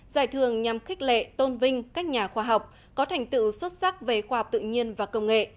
giải thưởng nhằm khích lệ tôn vinh các nhà khoa học có thành tựu xuất sắc về khoa học tự nhiên và công nghệ